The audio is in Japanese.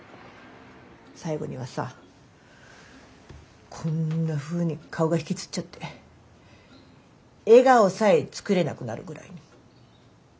最後にはさこんなふうに顔が引きつっちゃって笑顔さえ作れなくなるぐらいに。